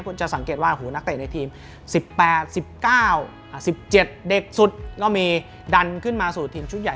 คุณจะสังเกตว่านักเตะในทีม๑๘๑๙๑๗เด็กสุดก็มีดันขึ้นมาสู่ทีมชุดใหญ่